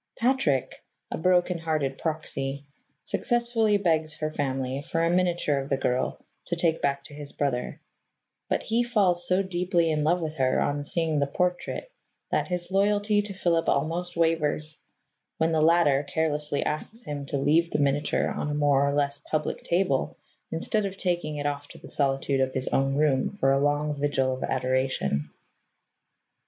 Patrick, a broken hearted proxy, successfully begs her family for a miniature of the girl to take back to his brother, but he falls so deeply in love with her on seeing the portrait that his loyalty to Philip almost wavers, when the latter carelessly asks him to leave the miniature on a more or less public table instead of taking it off to the solitude of his own room for a long vigil of adoration.